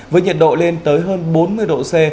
với nhiệt độ lên tới hơn bốn mươi độ c